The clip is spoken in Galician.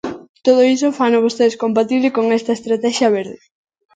Todo iso fano vostedes compatible con esta estratexia verde.